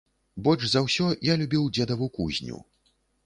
Больш за ўсё я любіў дзедаву кузню.